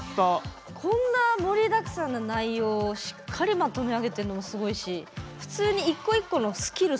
こんな、盛りだくさんな内容をしっかりまとめあげてるのもすごいし普通に１個１個のスキル